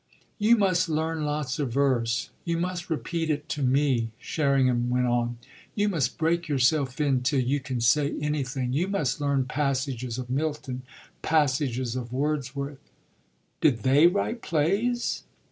"You must learn lots of verse; you must repeat it to me," Sherringham went on. "You must break yourself in till you can say anything. You must learn passages of Milton, passages of Wordsworth." "Did they write plays?"